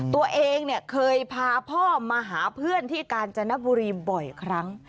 ตัวเองเนี่ยเคยพาพ่อมาหาเพื่อนที่กาญจนบุรีบ่อยครั้ง